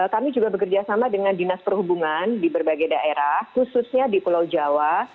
kami juga bekerjasama dengan dinas perhubungan di berbagai daerah khususnya di pulau jawa